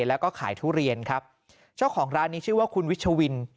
แล้วก็ขายทุเรียนครับเจ้าของร้านนี้ชื่อว่าคุณวิชวิน